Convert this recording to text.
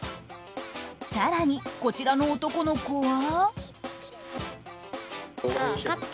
更に、こちらの男の子は。